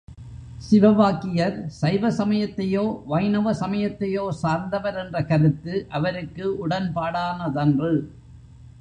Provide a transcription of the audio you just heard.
சிவவாக்கியர் சைவ சமயத்தையோ, வைணவ சமயத்தையோ சார்ந்தவர் என்ற கருத்து அவருக்கு உடன் பாடானதன்று.